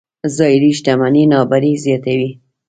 ظاهري شتمنۍ نابرابرۍ زیاتوي.